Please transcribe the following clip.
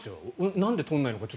なんで取らないのかは。